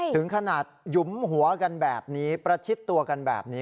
ถึงขนาดหยุมหัวกันแบบนี้ประชิดตัวกันแบบนี้